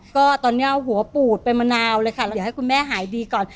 ก็ตอนนี้หัวปูดเป็นมะนาวเลยค่ะเดี๋ยวให้คุณแม่หายดีก่อน